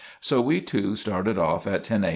So we two started off at 10 a.